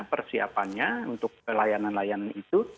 persiapannya untuk layanan layanan itu